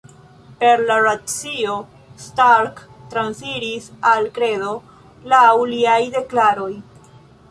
Per la racio Stark transiris al kredo, laŭ liaj deklaroj.